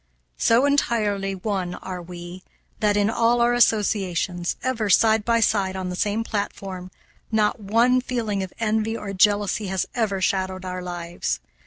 So entirely one are we that, in all our associations, ever side by side on the same platform, not one feeling of envy or jealousy has ever shadowed our lives.